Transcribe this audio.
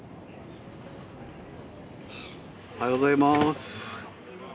おはようございます。